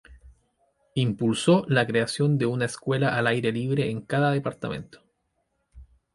Impulsó la creación de una escuela al aire libre en cada departamento.